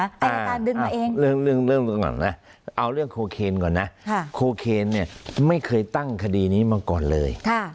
อายการดึงมาเองเรื่องก่อนนะเอาเรื่องโคเคนก่อนนะโคเคนเนี่ยไม่เคยตั้งคดีนี้มาก่อนเลย